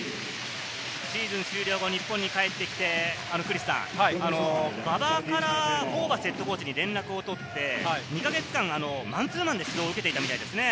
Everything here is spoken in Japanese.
シーズン終了後、日本に帰ってきて、馬場からホーバスＨＣに連絡を取って、２か月間マンツーマンで指導を受けていたみたいですね。